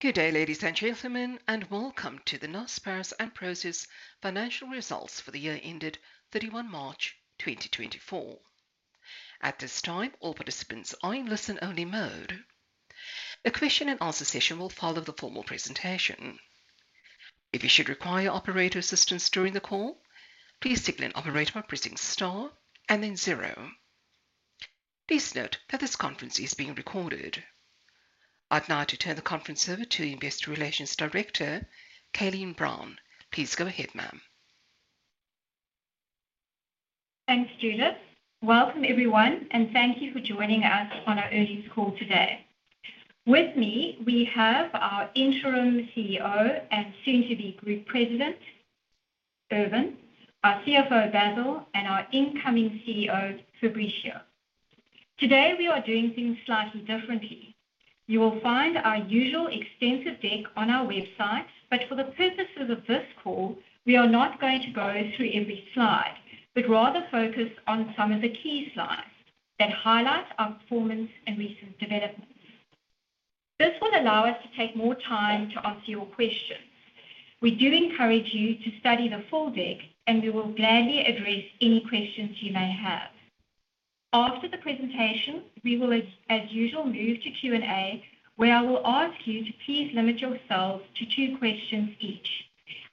Good day, ladies and gentlemen, and welcome to the Naspers and Prosus financial results for the year ended 31 March 2024. At this time, all participants are in listen-only mode. A question and answer session will follow the formal presentation. If you should require operator assistance during the call, please signal an operator by pressing star and then zero. Please note that this conference is being recorded. I'd now like to turn the conference over to Investor Relations Director, Kaeleen Brown. Please go ahead, ma'am. Thanks, Judith. Welcome, everyone, and thank you for joining us on our earnings call today. With me, we have our interim CEO and soon-to-be group president, Ervin, our CFO, Basil, and our incoming CEO, Fabricio. Today, we are doing things slightly differently. You will find our usual extensive deck on our website, but for the purposes of this call, we are not going to go through every slide, but rather focus on some of the key slides that highlight our performance and recent developments. This will allow us to take more time to answer your questions. We do encourage you to study the full deck, and we will gladly address any questions you may have. After the presentation, we will, as usual, move to Q&A, where I will ask you to please limit yourselves to two questions each.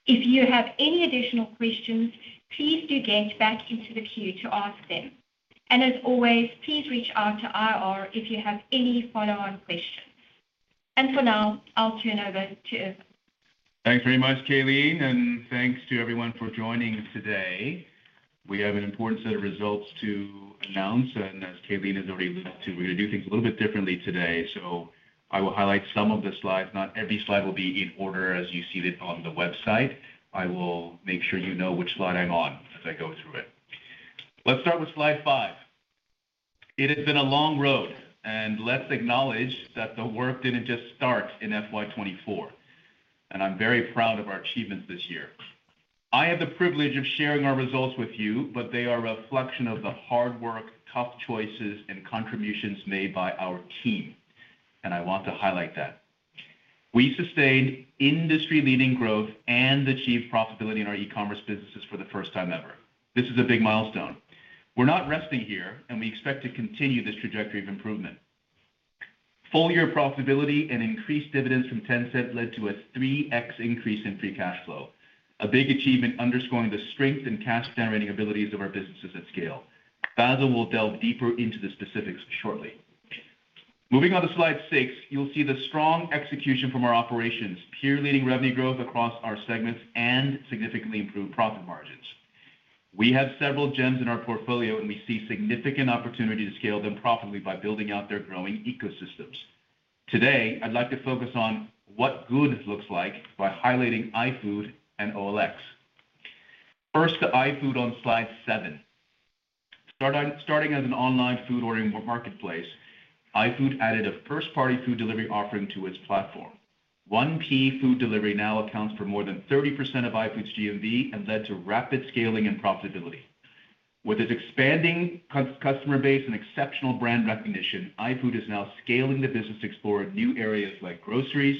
If you have any additional questions, please do get back into the queue to ask them, and as always, please reach out to IR if you have any follow-on questions. For now, I'll turn over to Ervin. Thanks very much, Kaeleen, and thanks to everyone for joining today. We have an important set of results to announce, and as Kaeleen has already mentioned, we're gonna do things a little bit differently today. So I will highlight some of the slides. Not every slide will be in order as you see it on the website. I will make sure you know which slide I'm on as I go through it. Let's start with slide five. It has been a long road, and let's acknowledge that the work didn't just start in FY 2024, and I'm very proud of our achievements this year. I have the privilege of sharing our results with you, but they are a reflection of the hard work, tough choices, and contributions made by our team, and I want to highlight that. We sustained industry-leading growth and achieved profitability in our e-commerce businesses for the first time ever. This is a big milestone. We're not resting here, and we expect to continue this trajectory of improvement. Full year profitability and increased dividends from Tencent led to a 3x increase in free cash flow, a big achievement underscoring the strength and cash-generating abilities of our businesses at scale. Basil will delve deeper into the specifics shortly. Moving on to slide six, you'll see the strong execution from our operations, peer-leading revenue growth across our segments, and significantly improved profit margins. We have several gems in our portfolio, and we see significant opportunity to scale them profitably by building out their growing ecosystems. Today, I'd like to focus on what good looks like by highlighting iFood and OLX. First, to iFood on slide seven. Starting as an online food ordering marketplace, iFood added a first-party food delivery offering to its platform. 1P food delivery now accounts for more than 30% of iFood's GMV and led to rapid scaling and profitability. With its expanding customer base and exceptional brand recognition, iFood is now scaling the business to explore new areas like groceries,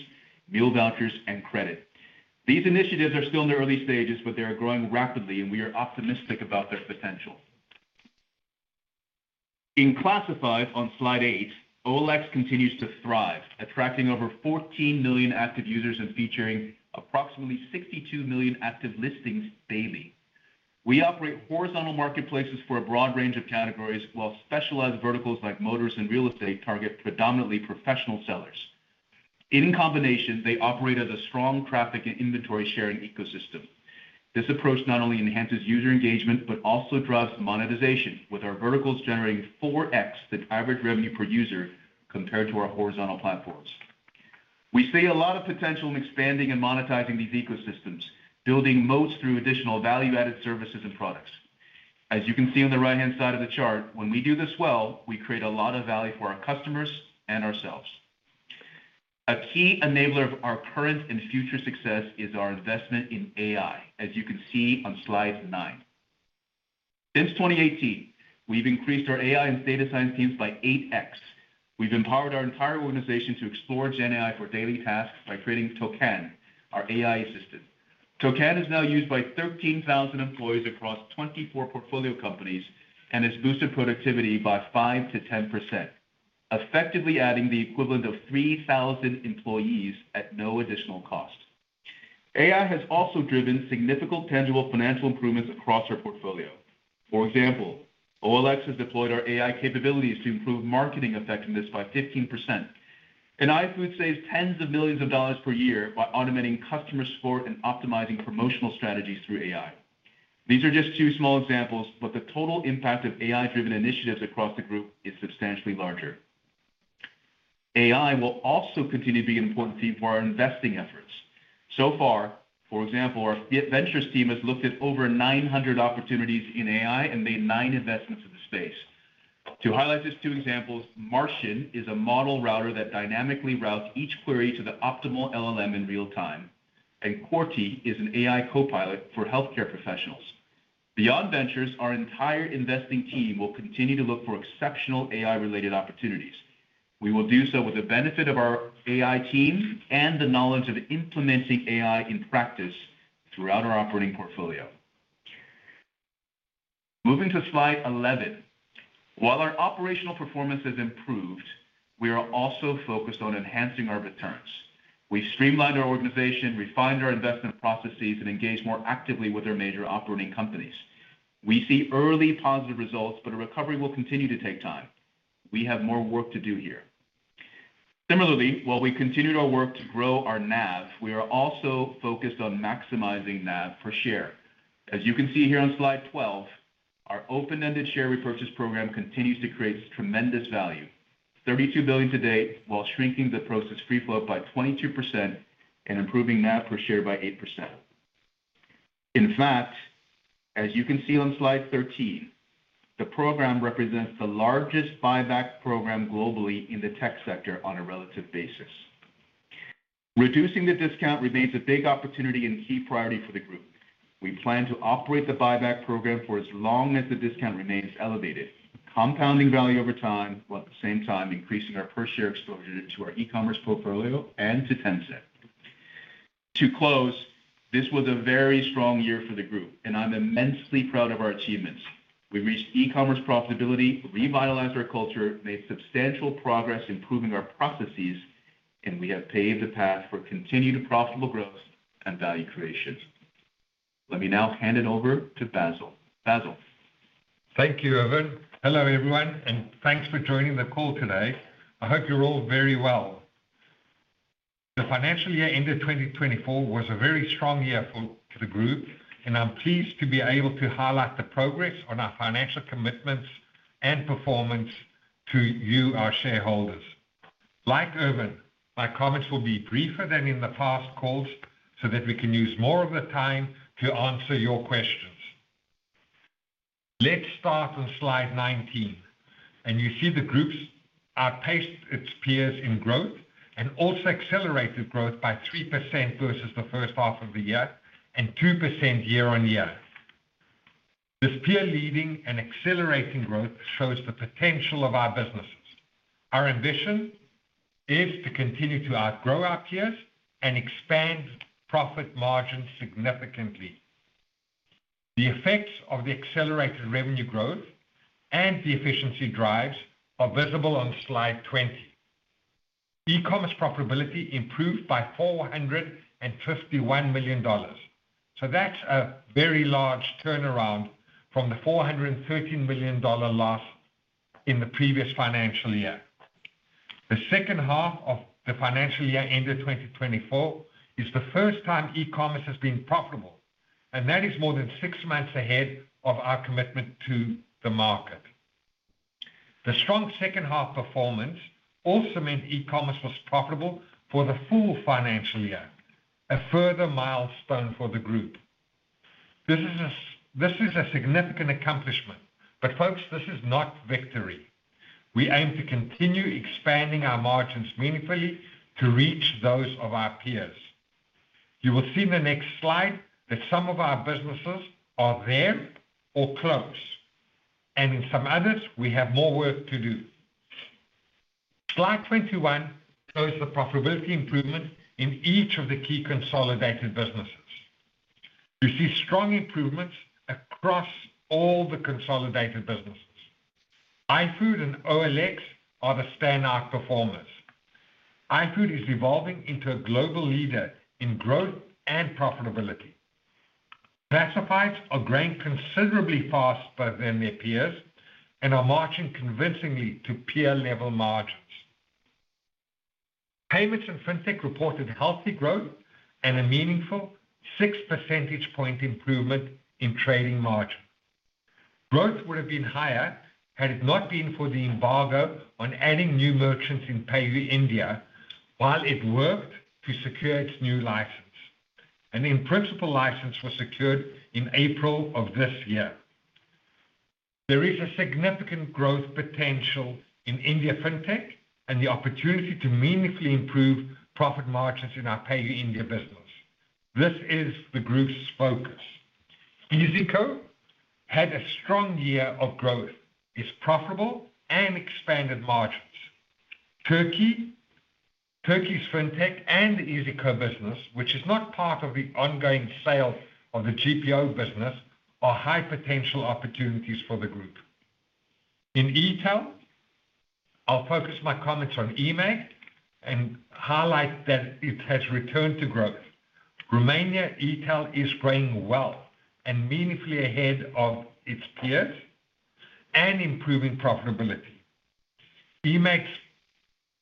meal vouchers, and credit. These initiatives are still in the early stages, but they are growing rapidly, and we are optimistic about their potential. In Classifieds on slide eight, OLX continues to thrive, attracting over 14 million active users and featuring approximately 62 million active listings daily. We operate horizontal marketplaces for a broad range of categories, while specialized verticals like motors and real estate target predominantly professional sellers. In combination, they operate as a strong traffic and inventory sharing ecosystem. This approach not only enhances user engagement, but also drives monetization, with our verticals generating 4x the average revenue per user compared to our horizontal platforms. We see a lot of potential in expanding and monetizing these ecosystems, building moats through additional value-added services and products. As you can see on the right-hand side of the chart, when we do this well, we create a lot of value for our customers and ourselves. A key enabler of our current and future success is our investment in AI, as you can see on slide nine. Since 2018, we've increased our AI and data science teams by 8x. We've empowered our entire organization to explore GenAI for daily tasks by creating Toqan, our AI assistant. Toqan is now used by 13,000 employees across 24 portfolio companies and has boosted productivity by 5%-10%, effectively adding the equivalent of 3,000 employees at no additional cost. AI has also driven significant tangible financial improvements across our portfolio. For example, OLX has deployed our AI capabilities to improve marketing effectiveness by 15%, and iFood saves tens of millions of dollars per year by automating customer support and optimizing promotional strategies through AI. These are just two small examples, but the total impact of AI-driven initiatives across the group is substantially larger. AI will also continue to be an important theme for our investing efforts. So far, for example, our ventures team has looked at over 900 opportunities in AI and made nine investments in the space. To highlight just two examples, Martian is a model router that dynamically routes each query to the optimal LLM in real time, and Corti is an AI copilot for healthcare professionals. Beyond ventures, our entire investing team will continue to look for exceptional AI-related opportunities. We will do so with the benefit of our AI team and the knowledge of implementing AI in practice throughout our operating portfolio. Moving to slide 11. While our operational performance has improved, we are also focused on enhancing our returns. We streamlined our organization, refined our investment processes, and engaged more actively with our major operating companies. We see early positive results, but a recovery will continue to take time. We have more work to do here. Similarly, while we continued our work to grow our NAV, we are also focused on maximizing NAV per share. As you can see here on slide 12, our open-ended share repurchase program continues to create tremendous value, 32 billion to date, while shrinking the Prosus free float by 22% and improving NAV per share by 8%. In fact, as you can see on slide 13, the program represents the largest buyback program globally in the tech sector on a relative basis. Reducing the discount remains a big opportunity and key priority for the group. We plan to operate the buyback program for as long as the discount remains elevated, compounding value over time, while at the same time increasing our per share exposure to our e-commerce portfolio and to Tencent. To close, this was a very strong year for the group, and I'm immensely proud of our achievements. We've reached e-commerce profitability, revitalized our culture, made substantial progress improving our processes, and we have paved the path for continued profitable growth and value creation. Let me now hand it over to Basil. Basil? Thank you, Ervin. Hello, everyone, and thanks for joining the call today. I hope you're all very well. The financial year ended 2024 was a very strong year for the group, and I'm pleased to be able to highlight the progress on our financial commitments and performance to you, our shareholders. Like Ervin, my comments will be briefer than in the past calls so that we can use more of the time to answer your questions. Let's start on slide 19, and you see the group outpaced its peers in growth and also accelerated growth by 3% versus the first half of the year and 2% year-on-year. This peer-leading and accelerating growth shows the potential of our businesses. Our ambition is to continue to outgrow our peers and expand profit margins significantly. The effects of the accelerated revenue growth and the efficiency drives are visible on slide 20. E-commerce profitability improved by $451 million. So that's a very large turnaround from the $413 million loss in the previous financial year. The second half of the financial year, ended 2024, is the first time e-commerce has been profitable, and that is more than six months ahead of our commitment to the market. The strong second half performance also meant e-commerce was profitable for the full financial year, a further milestone for the group. This is a significant accomplishment, but, folks, this is not victory. We aim to continue expanding our margins meaningfully to reach those of our peers. You will see in the next slide that some of our businesses are there or close, and in some others we have more work to do. Slide 21 shows the profitability improvement in each of the key consolidated businesses. You see strong improvements across all the consolidated businesses. iFood and OLX are the standout performers. iFood is evolving into a global leader in growth and profitability. Classifieds are growing considerably faster than their peers and are marching convincingly to peer-level margins. Payments and FinTech reported healthy growth and a meaningful 6 percentage point improvement in trading margin. Growth would have been higher had it not been for the embargo on adding new merchants in PayU India, while it worked to secure its new license. An in-principle license was secured in April of this year. There is a significant growth potential in India FinTech and the opportunity to meaningfully improve profit margins in our PayU India business. This is the group's focus. Iyzico had a strong year of growth, is profitable, and expanded margins. Turkey, Turkey's FinTech and Iyzico business, which is not part of the ongoing sale of the GPO business, are high-potential opportunities for the group. In e-tail, I'll focus my comments on eMAG and highlight that it has returned to growth. Romania e-tail is growing well and meaningfully ahead of its peers and improving profitability. eMAG's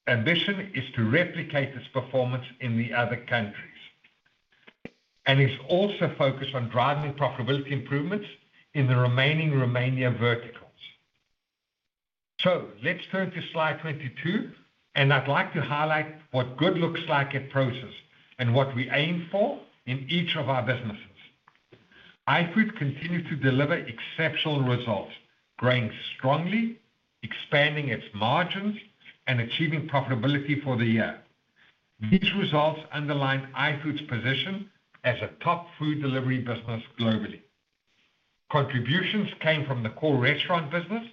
ambition is to replicate its performance in the other countries, and it's also focused on driving profitability improvements in the remaining Romania verticals. So let's turn to slide 22, and I'd like to highlight what good looks like at Prosus and what we aim for in each of our businesses. iFood continued to deliver exceptional results, growing strongly, expanding its margins, and achieving profitability for the year. These results underline iFood's position as a top food delivery business globally. Contributions came from the core restaurant business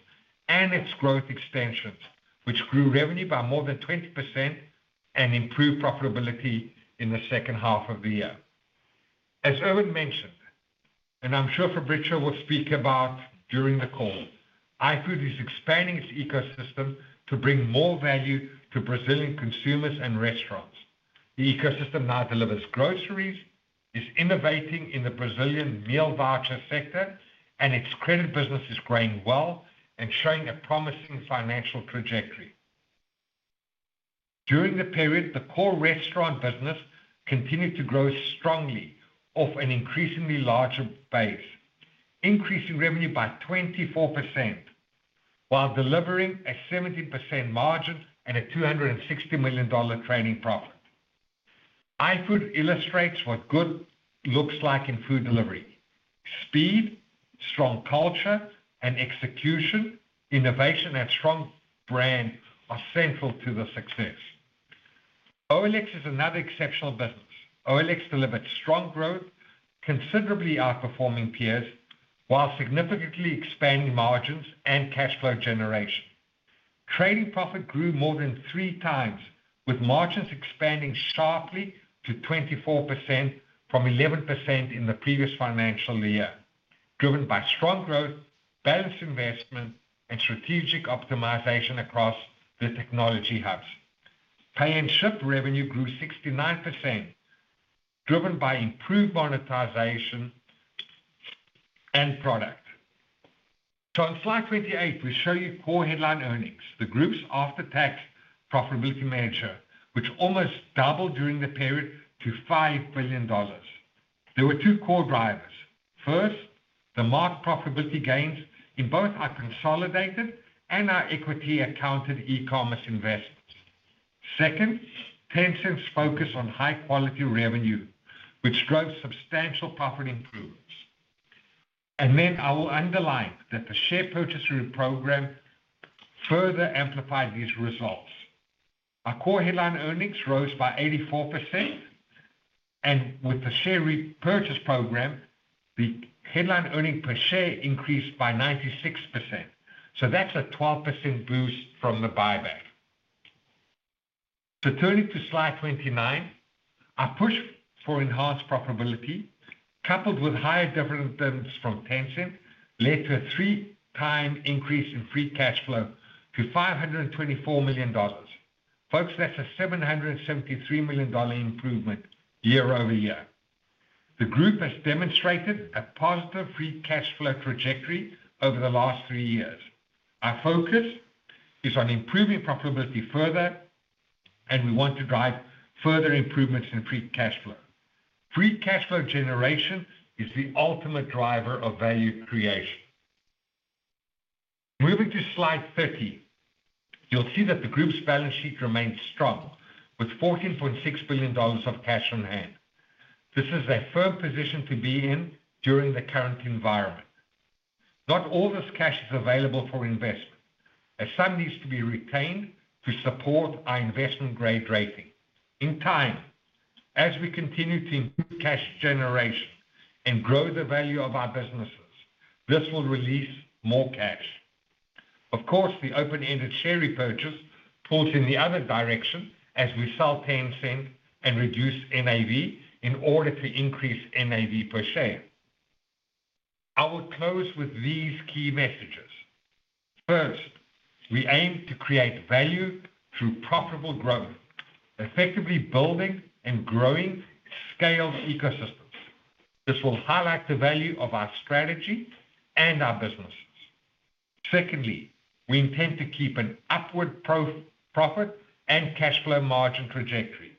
and its growth extensions, which grew revenue by more than 20% and improved profitability in the second half of the year. As Ervin mentioned, and I'm sure Fabricio will speak about during the call, iFood is expanding its ecosystem to bring more value to Brazilian consumers and restaurants. The ecosystem now delivers groceries, is innovating in the Brazilian meal voucher sector, and its credit business is growing well and showing a promising financial trajectory. During the period, the core restaurant business continued to grow strongly off an increasingly larger base, increasing revenue by 24%, while delivering a 70% margin and a $260 million trading profit. iFood illustrates what good looks like in food delivery. Speed, strong culture, and execution, innovation, and strong brand are central to the success. OLX is another exceptional business. OLX delivered strong growth, considerably outperforming peers, while significantly expanding margins and cash flow generation. Trading profit grew more than three times, with margins expanding sharply to 24% from 11% in the previous financial year, driven by strong growth, balanced investment, and strategic optimization across the technology hubs. Pay and Ship revenue grew 69%, driven by improved monetization and product. So on slide 28, we show you core headline earnings, the group's after-tax profitability measure, which almost doubled during the period to $5 billion. There were two core drivers. First, the marked profitability gains in both our consolidated and our equity-accounted e-commerce investments. Second, Tencent's focus on high-quality revenue, which drove substantial profit improvements. Then I will underline that the share purchase program further amplified these results. Our core headline earnings rose by 84%, and with the share repurchase program, the headline earnings per share increased by 96%. That's a 12% boost from the buyback. Turning to slide 29, our push for enhanced profitability, coupled with higher dividend terms from Tencent, led to a 3x increase in free cash flow to $524 million. Folks, that's a $773 million improvement year-over-year. The group has demonstrated a positive free cash flow trajectory over the last three years. Our focus is on improving profitability further, and we want to drive further improvements in free cash flow. Free cash flow generation is the ultimate driver of value creation. Moving to slide 30, you'll see that the group's balance sheet remains strong, with $14.6 billion of cash on hand. This is a firm position to be in during the current environment. Not all this cash is available for investment, as some needs to be retained to support our investment-grade rating. In time, as we continue to improve cash generation and grow the value of our businesses, this will release more cash. Of course, the open-ended share repurchase pulls in the other direction as we sell Tencent and reduce NAV in order to increase NAV per share. I will close with these key messages. First, we aim to create value through profitable growth, effectively building and growing scale ecosystems. This will highlight the value of our strategy and our businesses. Secondly, we intend to keep an upward profit and cash flow margin trajectory,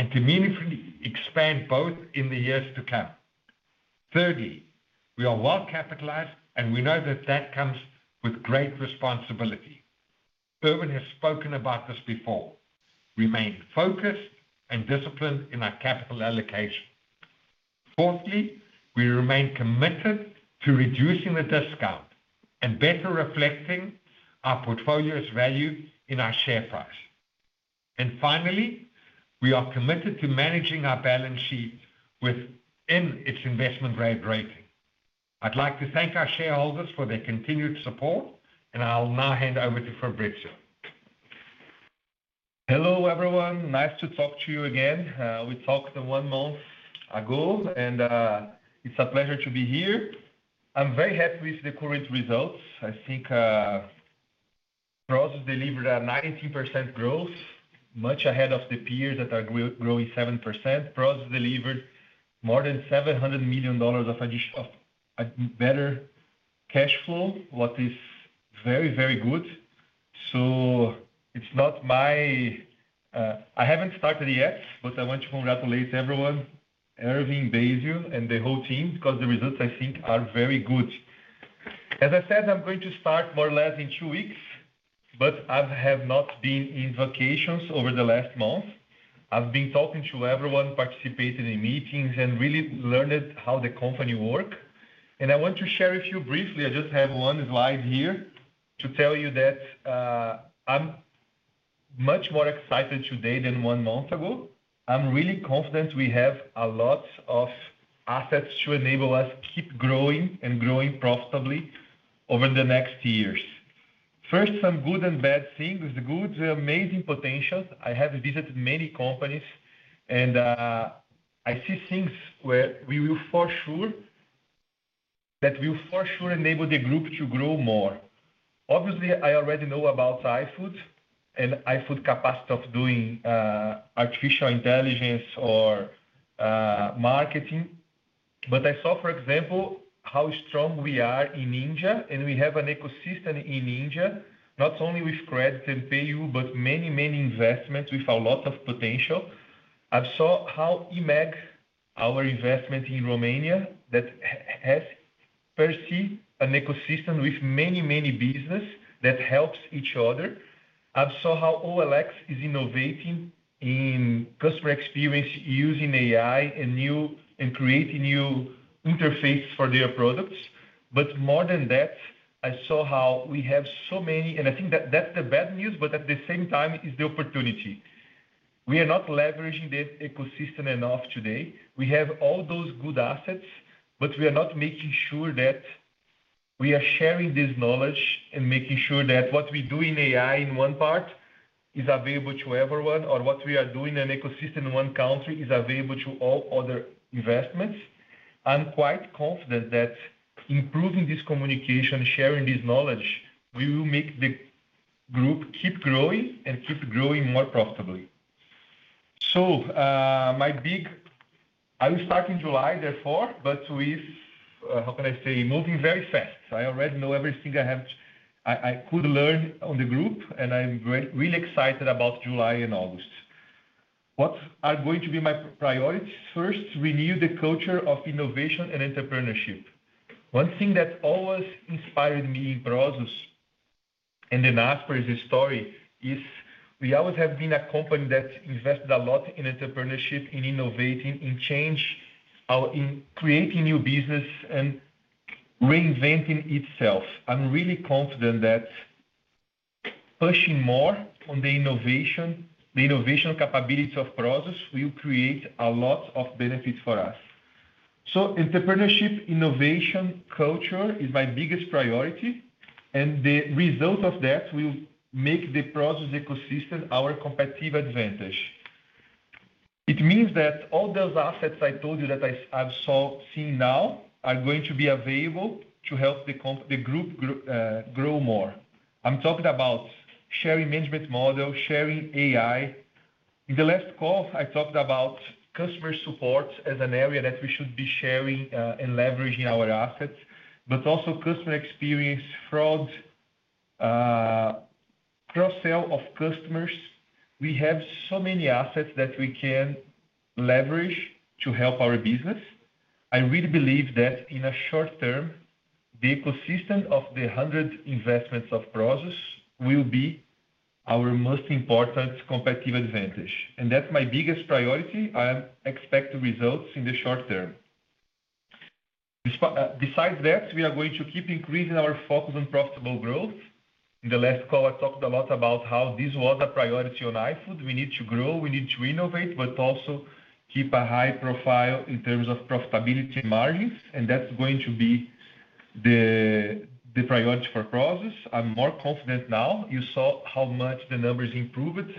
and to meaningfully expand both in the years to come. Thirdly, we are well capitalized, and we know that that comes with great responsibility. Ervin has spoken about this before. Remain focused and disciplined in our capital allocation. Fourthly, we remain committed to reducing the discount and better reflecting our portfolio's value in our share price. And finally, we are committed to managing our balance sheet within its investment-grade rating. I'd like to thank our shareholders for their continued support, and I'll now hand over to Fabricio. Hello, everyone. Nice to talk to you again. We talked one month ago, and it's a pleasure to be here. I'm very happy with the current results. I think Prosus delivered a 19% growth, much ahead of the peers that are growing 7%. Prosus delivered more than $700 million of additional of a better cash flow, what is very, very good. It's not my. I haven't started yet, but I want to congratulate everyone, Ervin, Basil, and the whole team, because the results, I think, are very good. As I said, I'm going to start more or less in two weeks, but I have not been in vacations over the last month. I've been talking to everyone, participating in meetings, and really learned how the company work. I want to share with you briefly, I just have one slide here, to tell you that, I'm much more excited today than one month ago. I'm really confident we have a lot of assets to enable us keep growing and growing profitably over the next years. First, some good and bad things. The good, amazing potentials. I have visited many companies and, I see things where we will, for sure, that will for sure enable the group to grow more. Obviously, I already know about iFood and iFood capacity of doing, artificial intelligence or, marketing. But I saw, for example, how strong we are in India, and we have an ecosystem in India, not only with credit and PayU, but many, many investments with a lot of potential. I saw how eMAG, our investment in Romania, that has per se, an ecosystem with many, many business that helps each other. I saw how OLX is innovating in customer experience, using AI and new and creating new interfaces for their products. But more than that, I saw how we have so many... And I think that that's the bad news, but at the same time, it's the opportunity. We are not leveraging the ecosystem enough today. We have all those good assets, but we are not making sure that we are sharing this knowledge and making sure that what we do in AI in one part is available to everyone, or what we are doing in an ecosystem in one country is available to all other investments. I'm quite confident that improving this communication, sharing this knowledge, we will make the group keep growing and keep growing more profitably. So, I will start in July, therefore, but with, how can I say? Moving very fast. I already know everything I have—I could learn on the group, and I'm very really excited about July and August. What are going to be my priorities? First, renew the culture of innovation and entrepreneurship. One thing that always inspired me in Prosus and in Naspers's story, is we always have been a company that invested a lot in entrepreneurship, in innovating, in change, in creating new business and reinventing itself. I'm really confident that pushing more on the innovation, the innovation capability of Prosus will create a lot of benefits for us. So entrepreneurship, innovation, culture is my biggest priority, and the result of that will make the Prosus ecosystem our competitive advantage. It means that all those assets I told you that I've seen now are going to be available to help the group grow more. I'm talking about sharing management model, sharing AI. In the last call, I talked about customer support as an area that we should be sharing and leveraging our assets, but also customer experience, fraud, cross-sale of customers. We have so many assets that we can leverage to help our business. I really believe that in a short term, the ecosystem of the 100 investments of Prosus will be our most important competitive advantage, and that's my biggest priority. I expect results in the short term. Besides that, we are going to keep increasing our focus on profitable growth. In the last call, I talked a lot about how this was a priority on iFood. We need to grow, we need to innovate, but also keep a high profile in terms of profitability margins, and that's going to be the priority for Prosus. I'm more confident now. You saw how much the numbers improved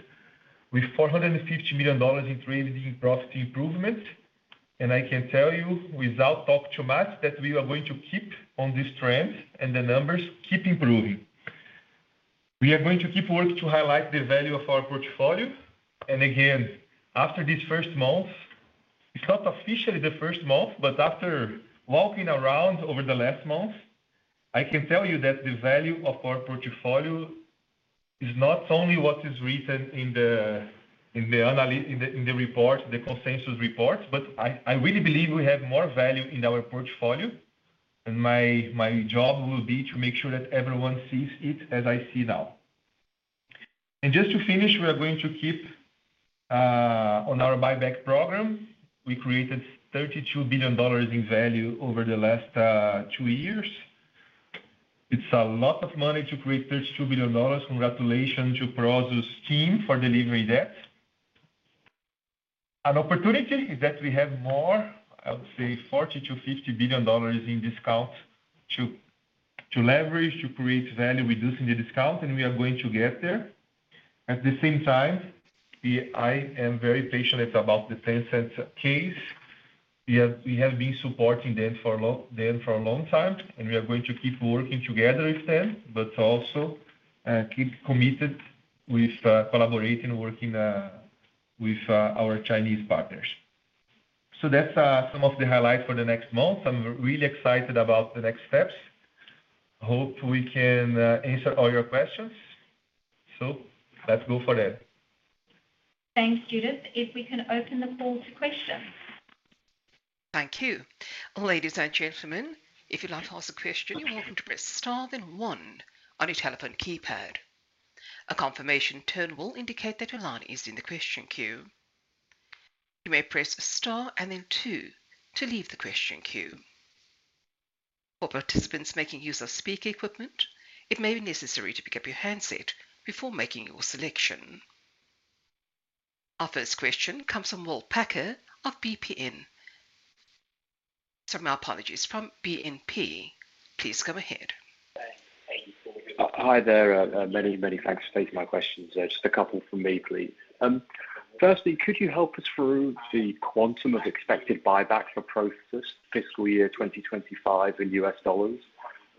with $450 million in trading profit improvement. And I can tell you, without talking too much, that we are going to keep on this trend and the numbers keep improving. We are going to keep working to highlight the value of our portfolio. And again, after this first month, it's not officially the first month, but after walking around over the last month, I can tell you that the value of our portfolio is not only what is written in the analysis in the report, the consensus reports, but I really believe we have more value in our portfolio, and my job will be to make sure that everyone sees it as I see now. And just to finish, we are going to keep on our buyback program. We created $32 billion in value over the last two years. It's a lot of money to create $32 billion. Congratulations to Prosus team for delivering that. An opportunity is that we have more, I would say $40 billion-$50 billion in discount, to leverage, to create value, reducing the discount, and we are going to get there. At the same time, we. I am very patient about the Tencent case. We have been supporting them for a long time, and we are going to keep working together with them, but also keep committed with collaborating, working with our Chinese partners. So that's some of the highlights for the next month. I'm really excited about the next steps. Hope we can answer all your questions. So let's go for that. Thanks, Judith. If we can open the floor to questions. Thank you. Ladies and gentlemen, if you'd like to ask a question, you're welcome to press star, then one on your telephone keypad. A confirmation tone will indicate that your line is in the question queue. You may press star and then two to leave the question queue. For participants making use of speaker equipment, it may be necessary to pick up your handset before making your selection. Our first question comes from Will Packer of BNP. So my apologies, from BNP. Please go ahead. Thank you. Hi there. Many, many thanks for taking my questions. Just a couple from me, please. Firstly, could you help us through the quantum of expected buyback for Prosus fiscal year 2025 in US dollars?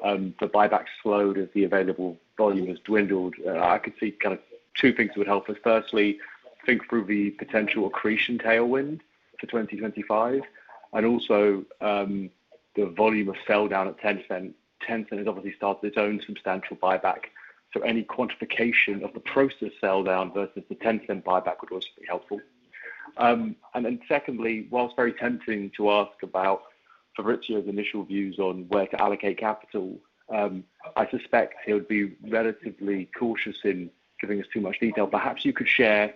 The buyback slowed as the available volume has dwindled. I could see kind of two things that would help us. Firstly, think through the potential accretion tailwind for 2025, and also, the volume of sell down at Tencent. Tencent has obviously started its own substantial buyback, so any quantification of the Prosus sell down versus the Tencent buyback would also be helpful. And then secondly, while very tempting to ask about Fabricio's initial views on where to allocate capital, I suspect he would be relatively cautious in giving us too much detail. Perhaps you could share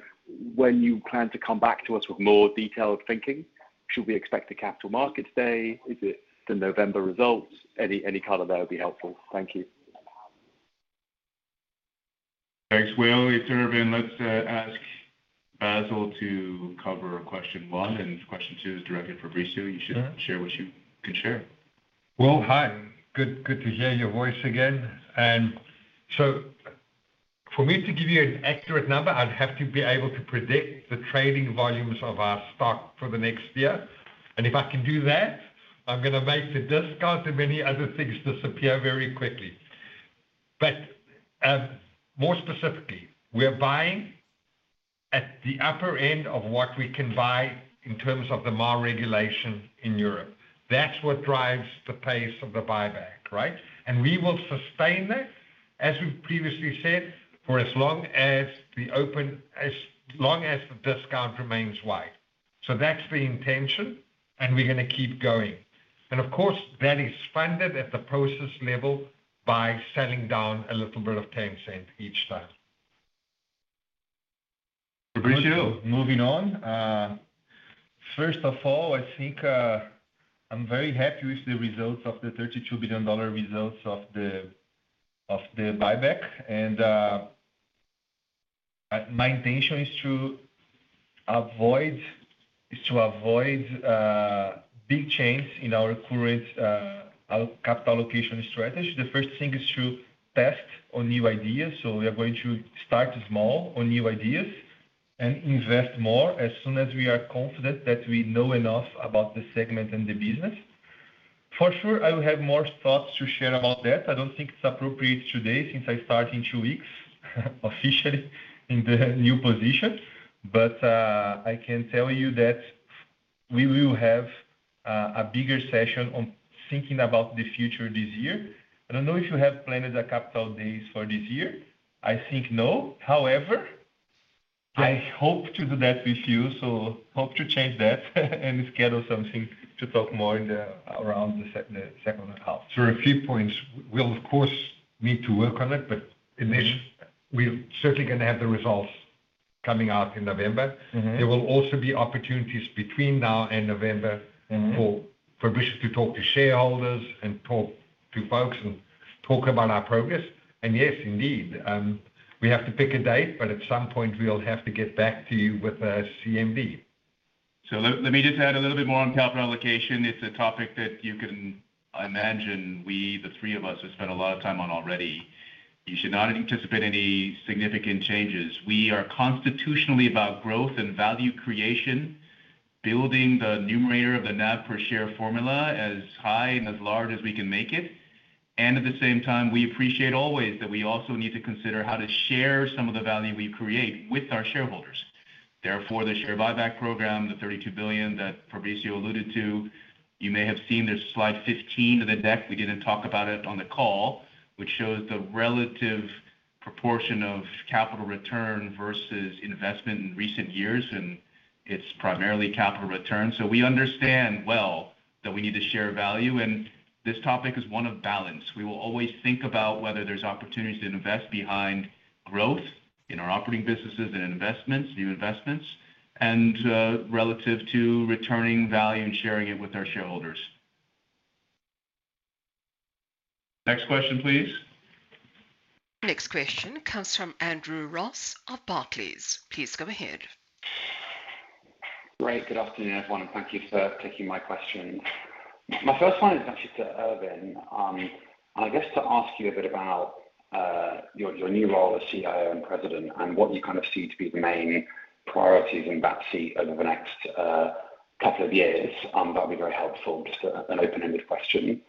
when you plan to come back to us with more detailed thinking. Should we expect a Capital Markets Day? Is it the November results? Any color there would be helpful. Thank you. Thanks, Will. Let's ask Basil to cover question one, and question two is directed to Fabrizio. You should share what you can share. Well, hi. Good, good to hear your voice again. And so for me to give you an accurate number, I'd have to be able to predict the trading volumes of our stock for the next year. And if I can do that, I'm gonna make the discount, and many other things disappear very quickly. But, more specifically, we're buying at the upper end of what we can buy in terms of the MAR regulation in Europe. That's what drives the pace of the buyback, right? And we will sustain that, as we've previously said, for as long as the discount remains wide. So that's the intention, and we're gonna keep going. And of course, that is funded at the process level by selling down a little bit of Tencent each time. Fabricio? Moving on. First of all, I think, I'm very happy with the results of the $32 billion buyback. My intention is to avoid big changes in our current capital allocation strategy. The first thing is to test on new ideas. So we are going to start small on new ideas and invest more as soon as we are confident that we know enough about the segment and the business. For sure, I will have more thoughts to share about that. I don't think it's appropriate today since I start in two weeks, officially in the new position. But I can tell you that we will have a bigger session on thinking about the future this year. I don't know if you have planned a Capital Days for this year. I think no. However, I hope to do that with you, so hope to change that and schedule something to talk more in the, around the second half. A few points. We'll, of course, need to work on it, but initially, we're certainly gonna have the results coming out in November. Mm-hmm. There will also be opportunities between now and November- Mm-hmm for Fabricio to talk to shareholders and talk to folks and talk about our progress. And yes, indeed, we have to pick a date, but at some point we'll have to get back to you with a CMD. So let me just add a little bit more on capital allocation. It's a topic that you can imagine, we, the three of us, have spent a lot of time on already. You should not anticipate any significant changes. We are constitutionally about growth and value creation, building the numerator of the NAV per share formula as high and as large as we can make it. And at the same time, we appreciate always that we also need to consider how to share some of the value we create with our shareholders. Therefore, the share buyback program, the 32 billion that Fabricio alluded to, you may have seen there's slide 15 of the deck. We didn't talk about it on the call, which shows the relative proportion of capital return versus investment in recent years, and it's primarily capital return. We understand well that we need to share value, and this topic is one of balance. We will always think about whether there's opportunities to invest behind growth in our operating businesses and investments, new investments, and, relative to returning value and sharing it with our shareholders. Next question, please. Next question comes from Andrew Ross of Barclays. Please go ahead. Great. Good afternoon, everyone, and thank you for taking my questions. My first one is actually to Ervin. I guess to ask you a bit about your new role as CEO and President, and what you kind of see to be the main priorities at Prosus over the next couple of years. That'll be very helpful. Just an open-ended question.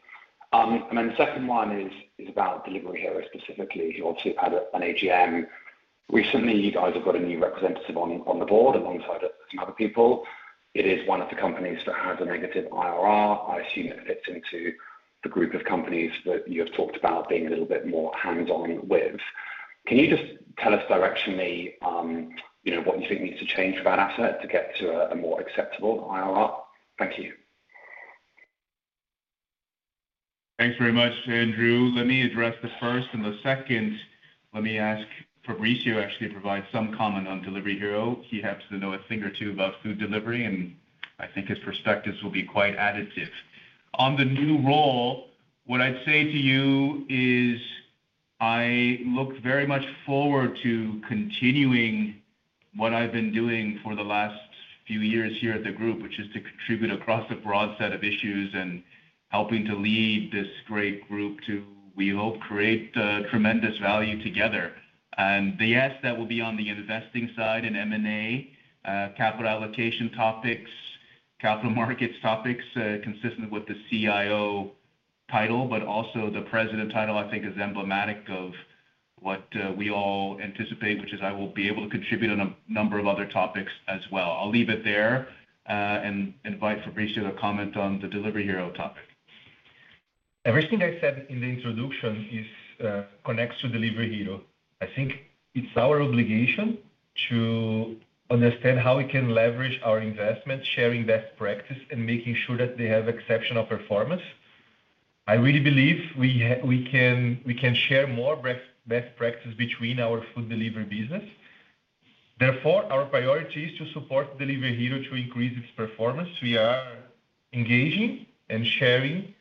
And then the second one is about Delivery Hero, specifically, who obviously had an AGM recently. You guys have got a new representative on the board alongside some other people. It is one of the companies that has a negative IRR. I assume it fits into the group of companies that you have talked about being a little bit more hands-on with. Can you just tell us directionally, you know, what you think needs to change for that asset to get to a more acceptable IRR? Thank you. Thanks very much, Andrew. Let me address the first and the second, let me ask Fabricio, actually, to provide some comment on Delivery Hero. He happens to know a thing or two about food delivery, and I think his perspectives will be quite additive. On the new role, what I'd say to you is, I look very much forward to continuing what I've been doing for the last few years here at the group, which is to contribute across a broad set of issues and helping to lead this great group to, we hope, create tremendous value together. The answer that will be on the investing side in M&A, capital allocation topics, capital markets topics, consistent with the CIO title, but also the president title, I think is emblematic of what we all anticipate, which is I will be able to contribute on a number of other topics as well. I'll leave it there, and invite Fabricio to comment on the Delivery Hero topic. Everything I said in the introduction is connects to Delivery Hero. I think it's our obligation to understand how we can leverage our investments, sharing best practice, and making sure that they have exceptional performance. I really believe we can, we can share more best practice between our food delivery business. Therefore, our priority is to support Delivery Hero to increase its performance. We are engaging and sharing.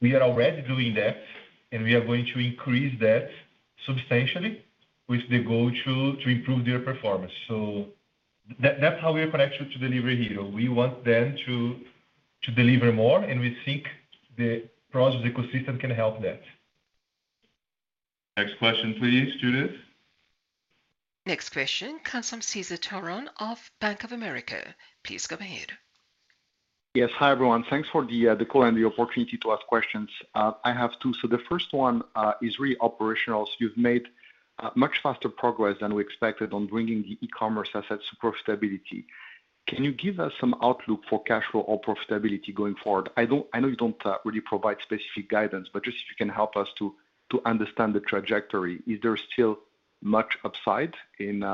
We are already doing that, and we are going to increase that substantially with the goal to, to improve their performance. So that, that's how we are connected to Delivery Hero. We want them to, to deliver more, and we think the Prosus ecosystem can help that. Next question, please, Judith. Next question, Cesar Tiron of Bank of America. Please go ahead. Yes. Hi, everyone. Thanks for the call and the opportunity to ask questions. I have two. So the first one is really operational. So you've made much faster progress than we expected on bringing the e-commerce assets to profitability. Can you give us some outlook for cash flow or profitability going forward? I don't—I know you don't really provide specific guidance, but just if you can help us to understand the trajectory. Is there still much upside in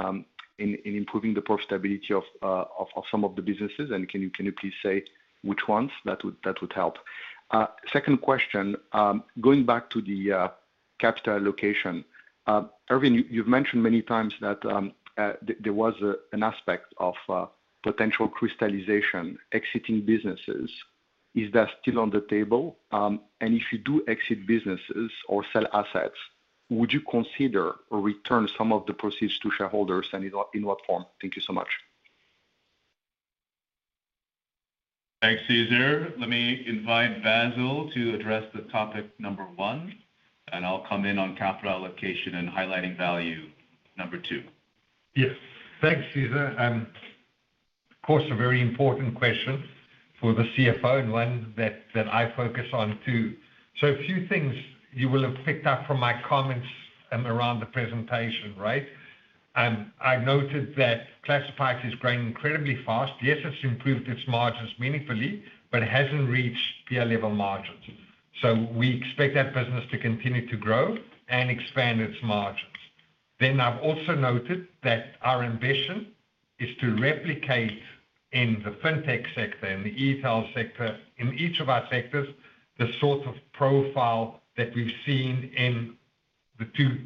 improving the profitability of some of the businesses? And can you please say which ones? That would help. Second question. Going back to the capital allocation. Ervin, you've mentioned many times that there was an aspect of potential crystallization exiting businesses. Is that still on the table? And if you do exit businesses or sell assets, would you consider or return some of the proceeds to shareholders, and in what, in what form? Thank you so much. Thanks, Cesar. Let me invite Basil to address the topic number one, and I'll come in on capital allocation and highlighting value, number two. Yes. Thanks, Cesar, and of course, a very important question for the CFO and one that, that I focus on, too. So a few things you will have picked up from my comments, around the presentation, right? I've noted that Classifieds is growing incredibly fast. Yes, it's improved its margins meaningfully, but hasn't reached peer level margins. So we expect that business to continue to grow and expand its margins. Then I've also noted that our ambition is to replicate in the FinTech sector and the e-tail sector, in each of our sectors, the sort of profile that we've seen in the two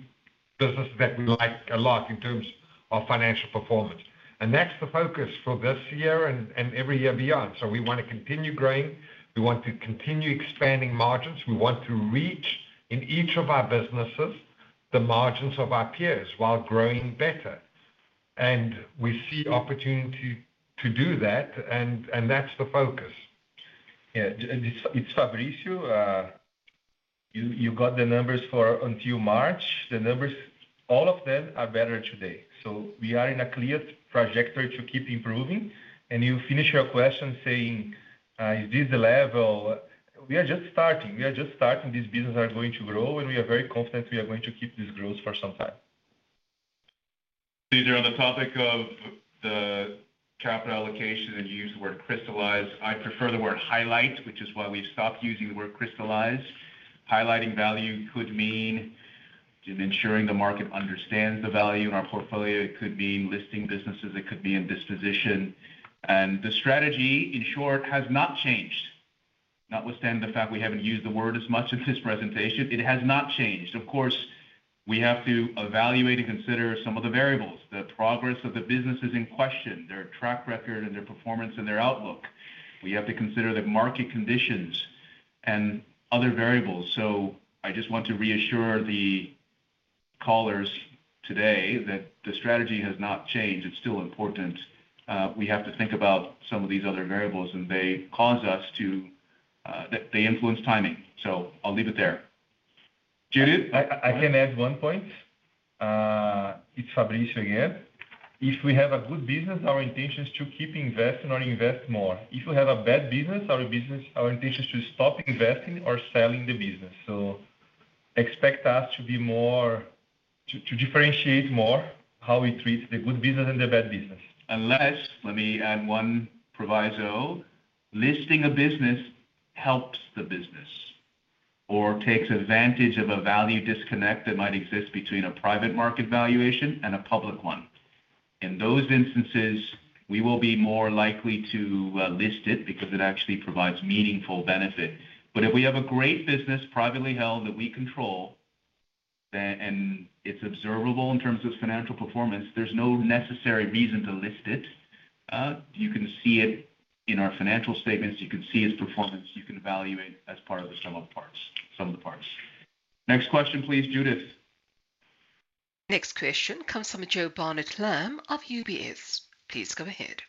businesses that we like a lot in terms of financial performance. And that's the focus for this year and, and every year beyond. So we want to continue growing, we want to continue expanding margins, we want to reach, in each of our businesses, the margins of our peers while growing better. And we see opportunity to do that, and, and that's the focus. Yeah, and it's Fabrício. You, you got the numbers for until March. The numbers, all of them are better today, so we are in a clear trajectory to keep improving. And you finish your question saying, is this the level? We are just starting. We are just starting. These businesses are going to grow, and we are very confident we are going to keep this growth for some time. Cesar, on the topic of the capital allocation, and you used the word crystallize, I prefer the word highlight, which is why we've stopped using the word crystallize. Highlighting value could mean ensuring the market understands the value in our portfolio. It could mean listing businesses, it could be in disposition. And the strategy, in short, has not changed. Notwithstanding the fact we haven't used the word as much in this presentation, it has not changed. Of course, we have to evaluate and consider some of the variables, the progress of the businesses in question, their track record and their performance and their outlook. We have to consider the market conditions and other variables. So I just want to reassure the callers today that the strategy has not changed. It's still important. We have to think about some of these other variables, and they cause us to, they influence timing, so I'll leave it there. Judith? I can add one point. It's Fabricio again. If we have a good business, our intention is to keep investing or invest more. If we have a bad business, our intention is to stop investing or selling the business. Expect us to be more to differentiate more how we treat the good business and the bad business. Unless, let me add one proviso. Listing a business helps the business or takes advantage of a value disconnect that might exist between a private market valuation and a public one. In those instances, we will be more likely to list it because it actually provides meaningful benefit. But if we have a great business, privately held, that we control, then, and it's observable in terms of financial performance, there's no necessary reason to list it. You can see it in our financial statements, you can see its performance, you can evaluate as part of the sum of parts, sum of the parts. Next question, please, Judith. Next question comes from Joe Barnett-Lamb of UBS. Please go ahead.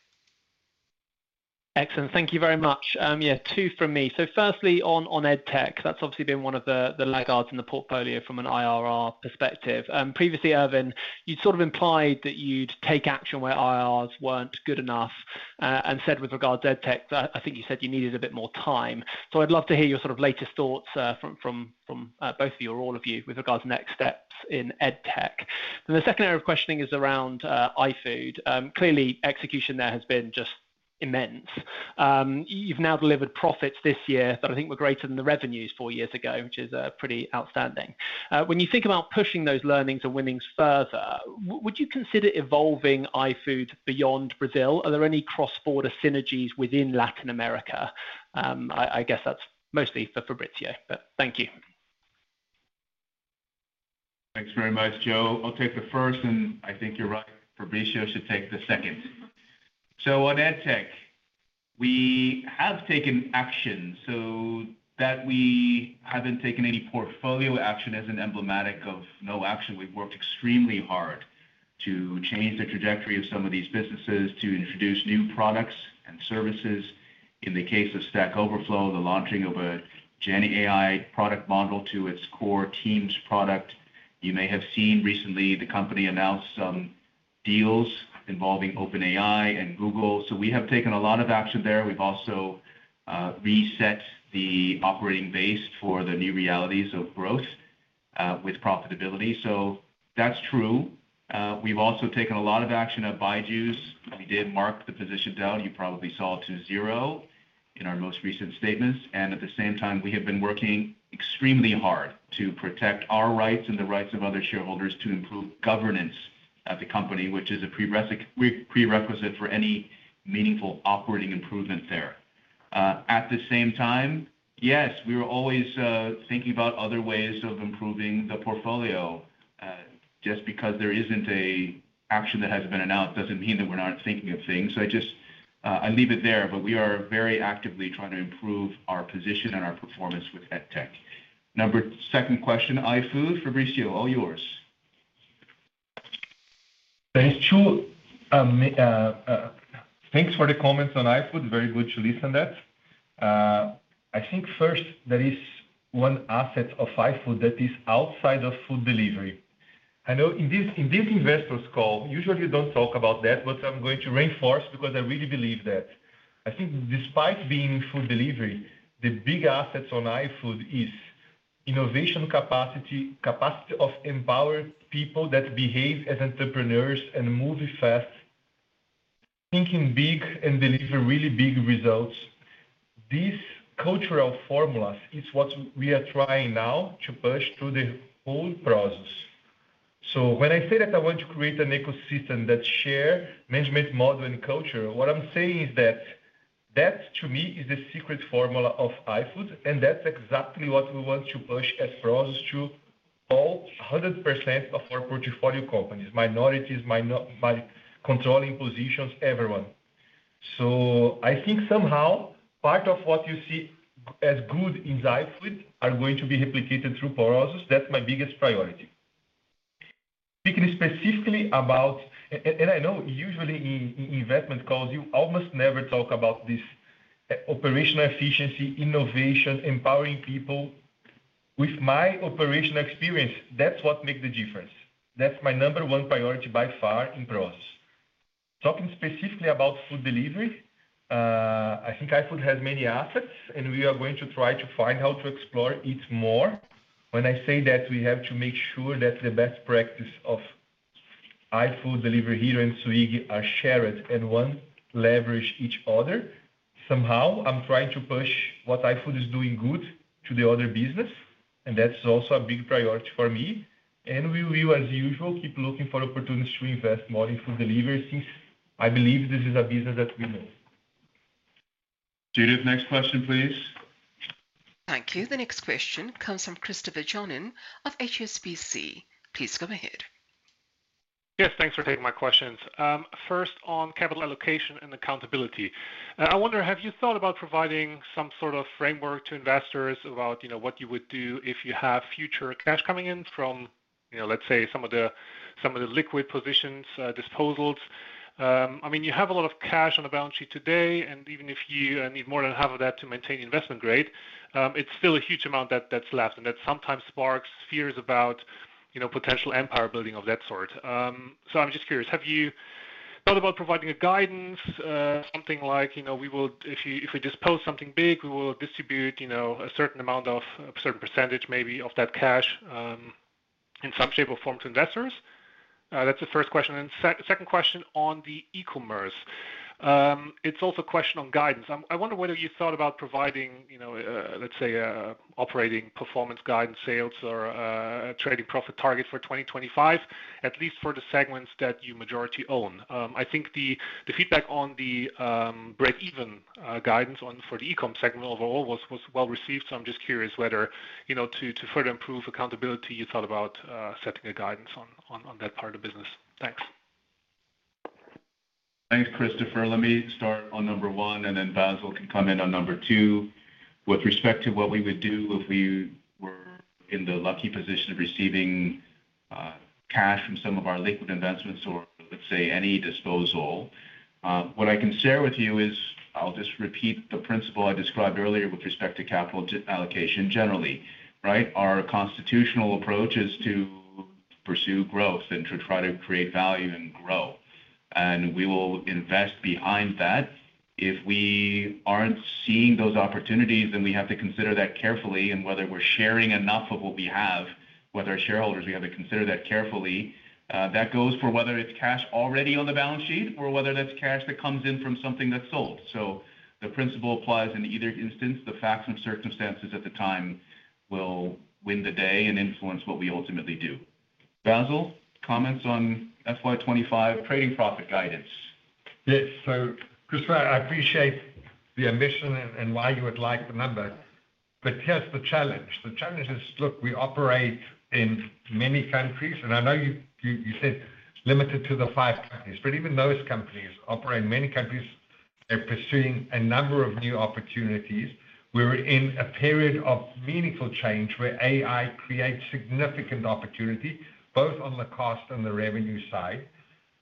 Excellent. Thank you very much. Yeah, two from me. So firstly, on EdTech, that's obviously been one of the laggards in the portfolio from an IRR perspective. Previously, Ervin, you'd sort of implied that you'd take action where IRRs weren't good enough, and said with regard to EdTech, that I think you said you needed a bit more time. So I'd love to hear your sort of latest thoughts from both of you or all of you with regards to next steps in EdTech. Then the second area of questioning is around iFood. Clearly, execution there has been just immense. You've now delivered profits this year that I think were greater than the revenues four years ago, which is pretty outstanding. When you think about pushing those learnings and winnings further, would you consider evolving iFood beyond Brazil? Are there any cross-border synergies within Latin America? I guess that's mostly for Fabricio, but thank you. Thanks very much, Joe. I'll take the first, and I think you're right, Fabricio should take the second. So on EdTech, we have taken action so that we haven't taken any portfolio action as an emblematic of no action. We've worked extremely hard to change the trajectory of some of these businesses, to introduce new products and services. In the case of Stack Overflow, the launching of a GenAI product model to its core teams product. You may have seen recently, the company announce some deals involving OpenAI and Google. So we have taken a lot of action there. We've also reset the operating base for the new realities of growth with profitability. So that's true. We've also taken a lot of action at BYJU'S. We did mark the position down, you probably saw, to zero in our most recent statements, and at the same time, we have been working extremely hard to protect our rights and the rights of other shareholders to improve governance at the company, which is a prerequisite for any meaningful operating improvement there. At the same time, yes, we were always thinking about other ways of improving the portfolio. Just because there isn't an action that has been announced, doesn't mean that we're not thinking of things. So I just, I'll leave it there, but we are very actively trying to improve our position and our performance with EdTech. Second question, iFood. Fabricio, all yours. Thanks, Joe. Thanks for the comments on iFood. Very good to listen that. I think first, there is one asset of iFood that is outside of food delivery. I know in this, in this investors call, usually you don't talk about that, but I'm going to reinforce because I really believe that. I think despite being food delivery, the big assets on iFood is innovation capacity, capacity of empowered people that behave as entrepreneurs and move fast, thinking big, and deliver really big results. This cultural formula is what we are trying now to push through the whole process. So when I say that I want to create an ecosystem that share management model and culture, what I'm saying is that, that to me, is the secret formula of iFood, and that's exactly what we want to push across to all 100% of our portfolio companies, minorities, by controlling positions, everyone. So I think somehow, part of what you see as good in iFood are going to be replicated through Prosus. That's my biggest priority. Speaking specifically about... And I know usually in, in investment calls, you almost never talk about this, operational efficiency, innovation, empowering people. With my operational experience, that's what makes the difference. That's my number one priority by far in Prosus. Talking specifically about food delivery, I think iFood has many assets, and we are going to try to find how to explore each more. When I say that, we have to make sure that the best practice of iFood, Delivery Hero, and Swiggy are shared, and one leverage each other. Somehow, I'm trying to push what iFood is doing good to the other business, and that's also a big priority for me. We will, as usual, keep looking for opportunities to invest more in food delivery, since I believe this is a business that we know. Judith, next question, please. Thank you. The next question comes from Christopher Johnen of HSBC. Please go ahead. Yes, thanks for taking my questions. First, on capital allocation and accountability, I wonder, have you thought about providing some sort of framework to investors about, you know, what you would do if you have future cash coming in from, you know, let's say, some of the, some of the liquid positions, disposals? I mean, you have a lot of cash on the balance sheet today, and even if you need more than half of that to maintain investment grade, it's still a huge amount that's left, and that sometimes sparks fears about, you know, potential empire building of that sort. So I'm just curious, have you thought about providing a guidance, something like, you know, we will, if you, if we dispose something big, we will distribute, you know, a certain amount of, a certain percentage maybe of that cash, in some shape or form to investors. That's the first question. And second question on the e-commerce. It's also a question on guidance. I wonder whether you thought about providing, you know, let's say, operating performance guidance, sales, or, trading profit target for 2025, at least for the segments that you majority own. I think the, the feedback on the, breakeven, guidance on, for the e-com segment overall was, was well received. So I'm just curious whether, you know, to, to further improve accountability, you thought about, setting a guidance on, on, on that part of the business. Thanks. Thanks, Christopher. Let me start on number one, and then Basil can come in on number two. With respect to what we would do if we were in the lucky position of receiving, cash from some of our liquid investments or, let's say, any disposal. What I can share with you is, I'll just repeat the principle I described earlier with respect to capital allocation generally, right? Our constitutional approach is to pursue growth and to try to create value and grow, and we will invest behind that. If we aren't seeing those opportunities, then we have to consider that carefully and whether we're sharing enough of what we have with our shareholders. We have to consider that carefully. That goes for whether it's cash already on the balance sheet or whether that's cash that comes in from something that's sold. The principle applies in either instance. The facts and circumstances at the time will win the day and influence what we ultimately do. Basil, comments on FY 2025 trading profit guidance. Yes. So, Christopher, I appreciate the ambition and why you would like the number, but here's the challenge. The challenge is, look, we operate in many countries, and I know you said limited to the five countries, but even those countries operate in many countries. They're pursuing a number of new opportunities. We're in a period of meaningful change where AI creates significant opportunity, both on the cost and the revenue side.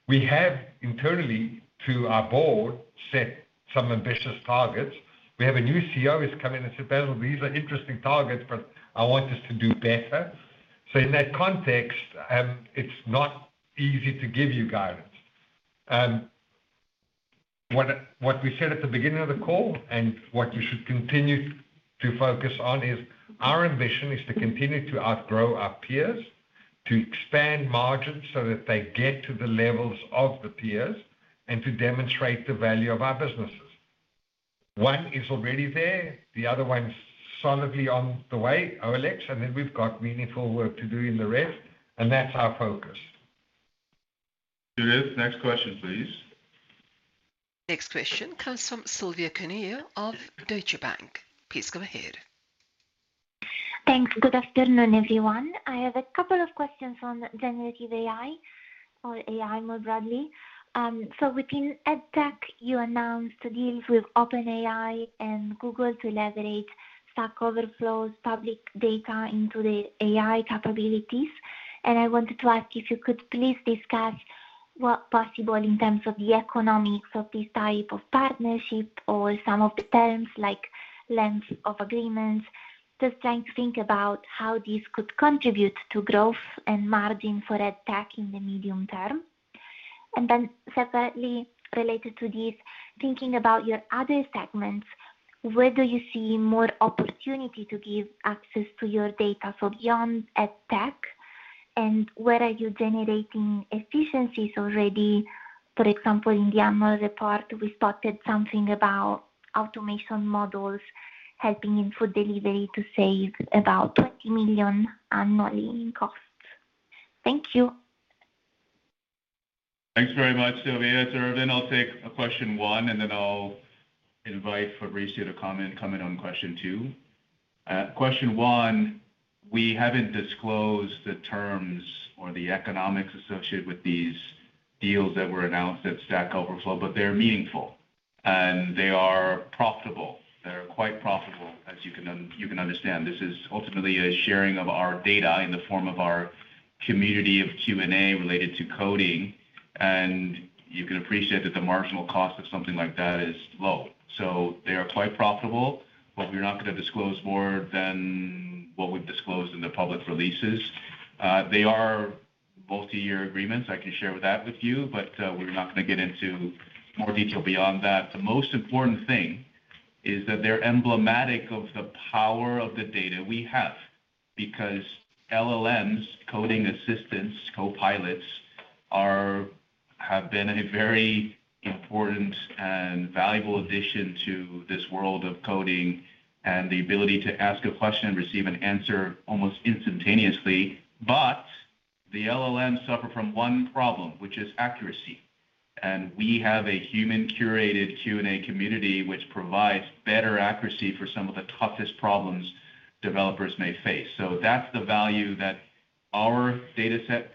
We have internally, to our board, set some ambitious targets. We have a new CEO who's come in and said, "Basil, these are interesting targets, but I want us to do better." So in that context, it's not easy to give you guidance. What we said at the beginning of the call, and what you should continue to focus on, is our ambition is to continue to outgrow our peers, to expand margins so that they get to the levels of the peers, and to demonstrate the value of our businesses. One is already there, the other one's solidly on the way, OLX, and then we've got meaningful work to do in the rest, and that's our focus. Judith next question, please. Next question comes from Silvia Cuneo of Deutsche Bank. Please go ahead. Thanks. Good afternoon, everyone. I have a couple of questions on generative AI or AI more broadly. So within EdTech, you announced deals with OpenAI and Google to leverage Stack Overflow's public data into the AI capabilities. And I wanted to ask if you could please discuss what possible in terms of the economics of this type of partnership or some of the terms like length of agreements. Just trying to think about how this could contribute to growth and margin for EdTech in the medium term. And then separately, related to this, thinking about your other segments, where do you see more opportunity to give access to your data from beyond EdTech? And where are you generating efficiencies already? For example, in the annual report, we spotted something about automation models helping in food delivery to save about 20 million annually in costs. Thank you. Thanks very much, Silvia. So then I'll take question one, and then I'll invite Fabricio to comment on question two. Question one, we haven't disclosed the terms or the economics associated with these deals that were announced at Stack Overflow, but they're meaningful and they are profitable. They're quite profitable, as you can understand. This is ultimately a sharing of our data in the form of our community of Q&A related to coding, and you can appreciate that the marginal cost of something like that is low. So they are quite profitable, but we're not gonna disclose more than what we've disclosed in the public releases. They are multi-year agreements. I can share that with you, but, we're not gonna get into more detail beyond that. The most important thing is that they're emblematic of the power of the data we have, because LLMs, coding assistants, copilots, have been a very important and valuable addition to this world of coding and the ability to ask a question and receive an answer almost instantaneously. But the LLMs suffer from one problem, which is accuracy, and we have a human-curated Q&A community, which provides better accuracy for some of the toughest problems developers may face. So that's the value that our dataset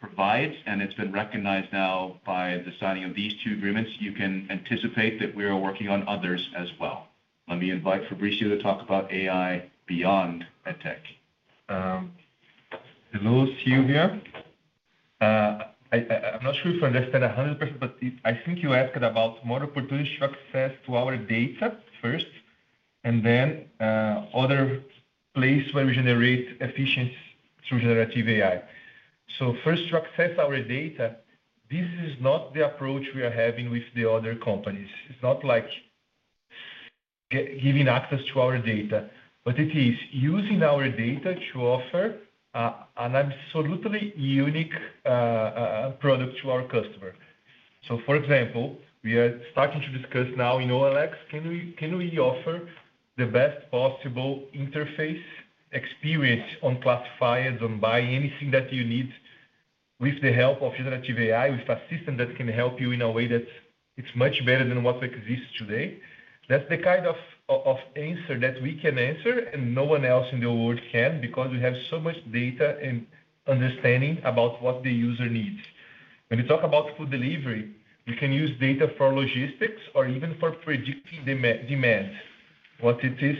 provides, and it's been recognized now by the signing of these two agreements. You can anticipate that we are working on others as well. Let me invite Fabricio to talk about AI beyond EdTech. Hello, Silvia. I'm not sure if I understand 100%, but I think you asked about more opportunities to access to our data first? And then, other place where we generate efficiency through generative AI. So first, to access our data, this is not the approach we are having with the other companies. It's not like giving access to our data, but it is using our data to offer an absolutely unique product to our customer. So for example, we are starting to discuss now in OLX, can we offer the best possible interface experience on Classifieds and buy anything that you need with the help of generative AI, with assistant that can help you in a way that it's much better than what exists today? That's the kind of answer that we can answer, and no one else in the world can, because we have so much data and understanding about what the user needs. When you talk about food delivery, you can use data for logistics or even for predicting demand. What it is,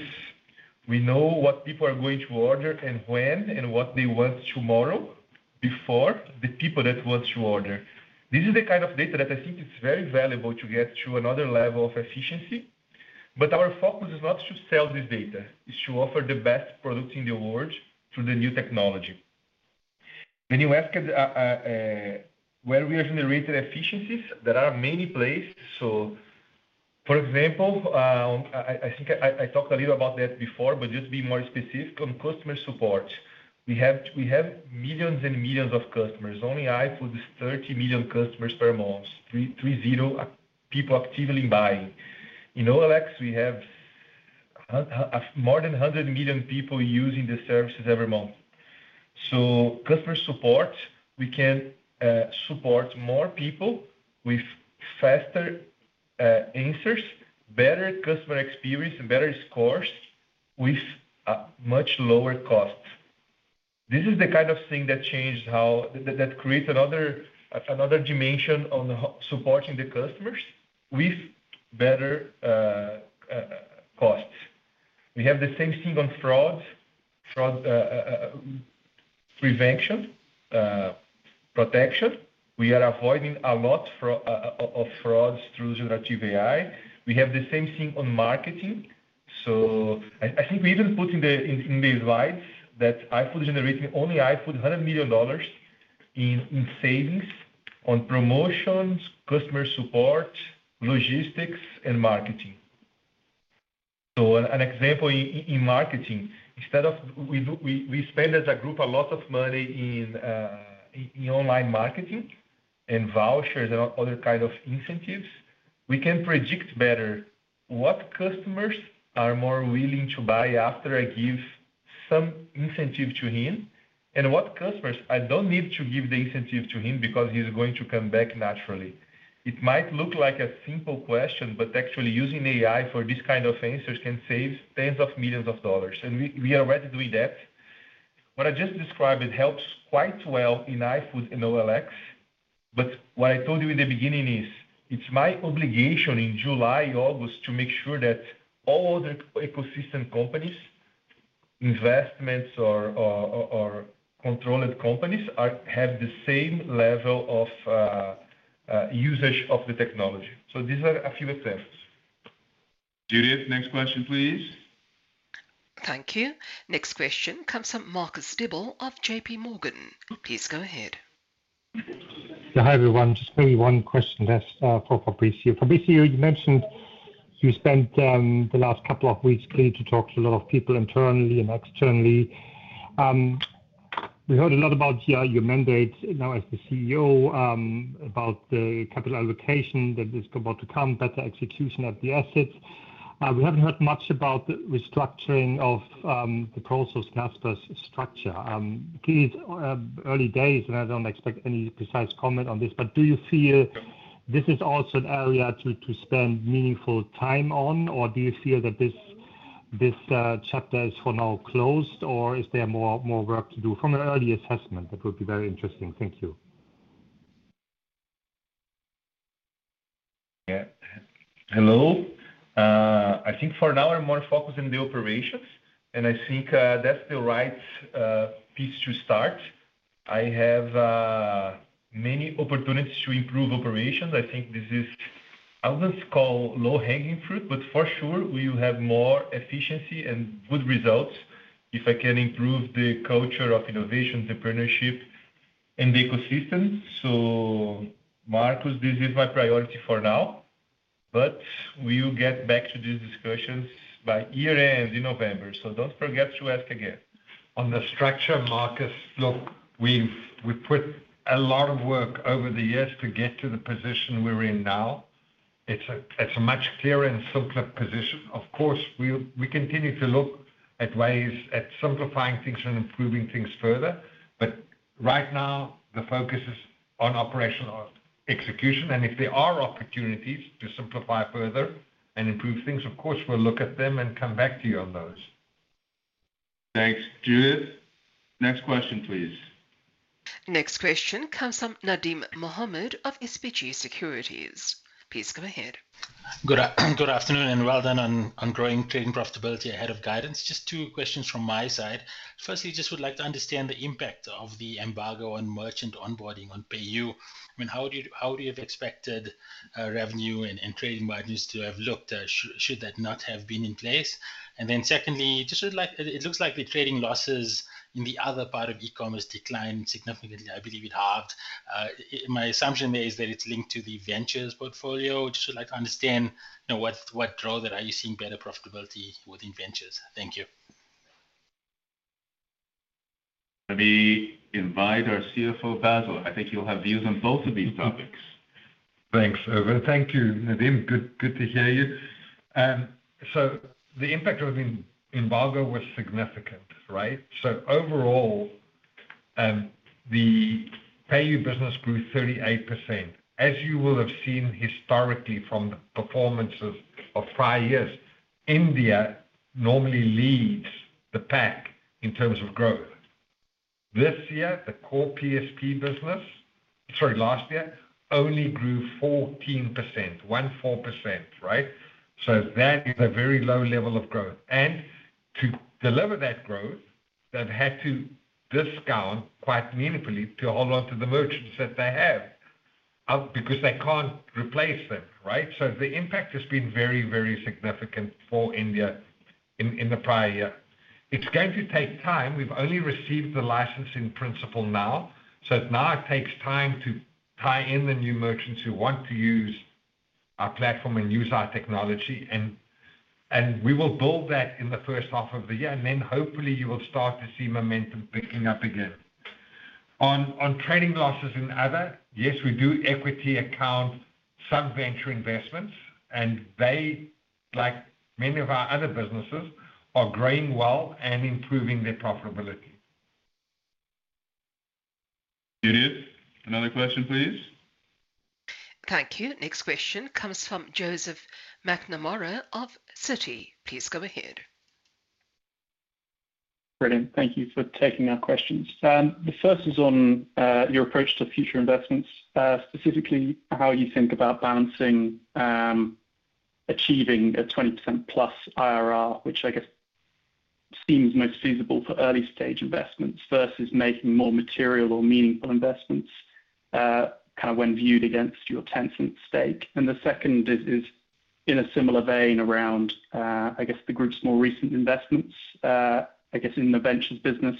we know what people are going to order and when, and what they want tomorrow, before the people that want to order. This is the kind of data that I think is very valuable to get to another level of efficiency. But our focus is not to sell this data. It's to offer the best products in the world through the new technology. When you asked where we are generating efficiencies, there are many places. So, for example, I think I talked a little about that before, but just to be more specific, on customer support. We have millions and millions of customers. Only iFood is 30 million customers per month, 30 people actively buying. In OLX, we have more than 100 million people using the services every month. So customer support, we can support more people with faster answers, better customer experience and better scores with a much lower cost. This is the kind of thing that changes how... That creates another dimension on supporting the customers with better costs. We have the same thing on fraud. Fraud prevention protection. We are avoiding a lot of frauds through generative AI. We have the same thing on marketing. So I think we even put in the slides that iFood is generating, only iFood, $100 million in savings on promotions, customer support, logistics, and marketing. So an example in marketing, instead of, we spend as a group a lot of money in online marketing and vouchers and other kind of incentives. We can predict better what customers are more willing to buy after I give some incentive to him, and what customers I don't need to give the incentive to him because he's going to come back naturally. It might look like a simple question, but actually using AI for this kind of answers can save tens of millions of dollars, and we are already doing that. What I just described, it helps quite well in iFood and OLX, but what I told you in the beginning is, it's my obligation in July, August, to make sure that all the ecosystem companies, investments or controlled companies are, have the same level of usage of the technology. So these are a few examples. Judith, next question, please. Thank you. Next question comes from Marcus Diebel of J.P. Morgan. Please go ahead. Yeah, hi, everyone. Just maybe one question that's for Fabricio. Fabricio, you mentioned you spent the last couple of weeks clearly to talk to a lot of people internally and externally. We heard a lot about, yeah, your mandate now as the CEO, about the capital allocation that is about to come, better execution of the assets. We haven't heard much about the restructuring of the Prosus Naspers structure. Clearly it early days, and I don't expect any precise comment on this, but do you feel this is also an area to spend meaningful time on? Or do you feel that this chapter is for now closed, or is there more work to do from an early assessment? That would be very interesting. Thank you. Yeah. Hello. I think for now I'm more focused on the operations, and I think that's the right piece to start. I have many opportunities to improve operations. I think this is, I wouldn't call low-hanging fruit, but for sure we will have more efficiency and good results if I can improve the culture of innovation, entrepreneurship, and the ecosystem. So Marcus, this is my priority for now, but we'll get back to these discussions by year end in November. So don't forget to ask again. On the structure, Marcus, look, we've, we've put a lot of work over the years to get to the position we're in now. It's a, it's a much clearer and simpler position. Of course, we'll, we continue to look at ways at simplifying things and improving things further, but right now, the focus is on operational execution, and if there are opportunities to simplify further and improve things, of course, we'll look at them and come back to you on those. Thanks, Judith. Next question, please. Next question comes from Nadim Mohamed of SBG Securities. Please go ahead. Good afternoon, and well done on growing trading profitability ahead of guidance. Just two questions from my side. Firstly, just would like to understand the impact of the embargo on merchant onboarding on PayU. I mean, how do you have expected revenue and trading margins to have looked at, should that not have been in place? And then secondly, just, like, it looks like the trading losses in the other part of e-commerce declined significantly. I believe it halved. My assumption is that it's linked to the ventures portfolio. Just would like to understand, you know, what growth, and are you seeing better profitability within ventures? Thank you. Let me invite our CFO, Basil. I think you'll have views on both of these topics. Thanks, Ervin. Thank you, Nadim. Good, good to hear you. So the impact of in- embargo was significant, right? So overall, the pay business grew 38%. As you will have seen historically from the performances of prior years, India normally leads the pack in terms of growth. This year, the core PSP business, sorry, last year, only grew 14%, 14%, right? So that is a very low level of growth, and to deliver that growth, they've had to discount quite meaningfully to hold on to the merchants that they have, because they can't replace them, right? So the impact has been very, very significant for India in, in the prior year. It's going to take time. We've only received the license in principle now, so it now takes time to tie in the new merchants who want to use our platform and use our technology and we will build that in the first half of the year, and then hopefully you will start to see momentum picking up again. On trading losses in other, yes, we do equity-account some venture investments, and they, like many of our other businesses, are growing well and improving their profitability. Judith, another question, please. Thank you. Next question comes from Joseph McNamara of Citi. Please go ahead. Brilliant, thank you for taking our questions. The first is on your approach to future investments, specifically how you think about balancing achieving a 20%+ IRR, which I guess seems most feasible for early-stage investments versus making more material or meaningful investments, kind of when viewed against your Tencent stake. And the second is in a similar vein around the group's more recent investments. I guess, in the ventures business,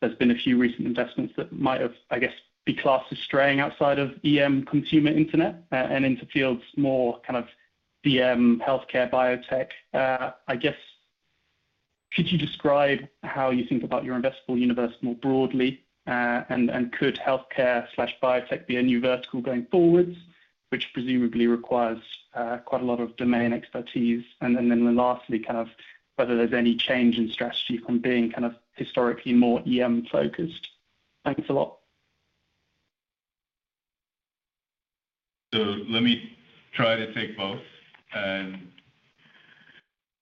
there's been a few recent investments that might have, I guess, been classed as straying outside of EM consumer internet, and into fields more kind of DM, healthcare, biotech. I guess, could you describe how you think about your investable universe more broadly? And could healthcare/biotech be a new vertical going forwards, which presumably requires quite a lot of domain expertise? Then lastly, kind of whether there's any change in strategy from being kind of historically more EM focused? Thanks a lot. So let me try to take both and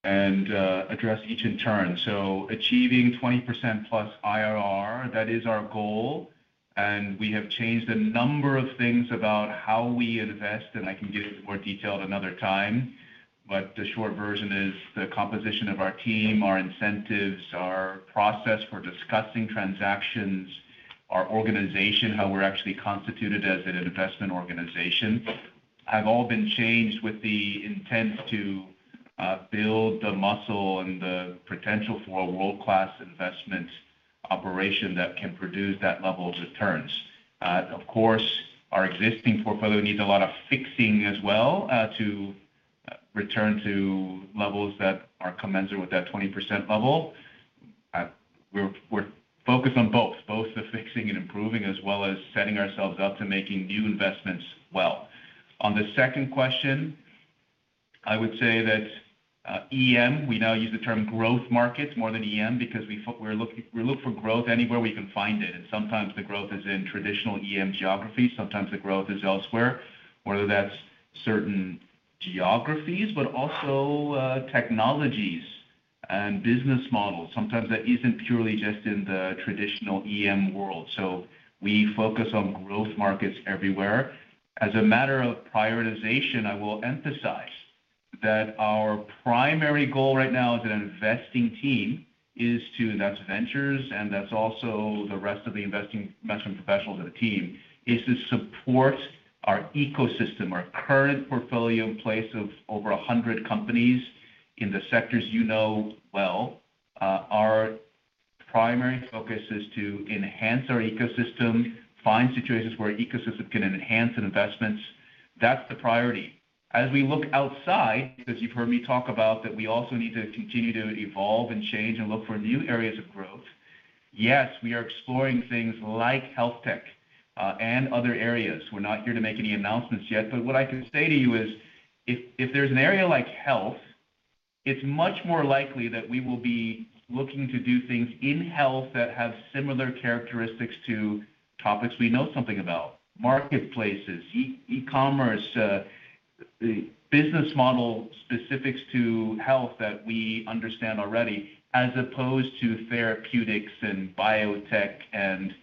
address each in turn. So achieving 20%+ IRR, that is our goal, and we have changed a number of things about how we invest, and I can get into more detail at another time. But the short version is the composition of our team, our incentives, our process for discussing transactions, our organization, how we're actually constituted as an investment organization, have all been changed with the intent to build the muscle and the potential for a world-class investment operation that can produce that level of returns. Of course, our existing portfolio needs a lot of fixing as well to return to levels that are commensurate with that 20% level. We're focused on both the fixing and improving, as well as setting ourselves up to making new investments well. On the second question, I would say that, EM, we now use the term growth markets more than EM because we're looking for growth anywhere we can find it, and sometimes the growth is in traditional EM geographies, sometimes the growth is elsewhere, whether that's certain geographies, but also, technologies and business models. Sometimes that isn't purely just in the traditional EM world, so we focus on growth markets everywhere. As a matter of prioritization, I will emphasize that our primary goal right now as an investing team is to, and that's ventures, and that's also the rest of the investing, investment professionals of the team, is to support our ecosystem, our current portfolio in place of over a hundred companies in the sectors you know well. Our primary focus is to enhance our ecosystem, find situations where ecosystem can enhance investments. That's the priority. As we look outside, as you've heard me talk about, that we also need to continue to evolve and change and look for new areas of growth. Yes, we are exploring things like health tech and other areas. We're not here to make any announcements yet, but what I can say to you is, if there's an area like health, it's much more likely that we will be looking to do things in health that have similar characteristics to topics we know something about. Marketplaces, e-commerce, the business model specifics to health that we understand already, as opposed to therapeutics and biotech and